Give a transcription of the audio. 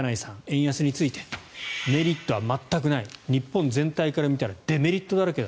円安についてメリットは全くない日本全体から見たらデメリットだらけ。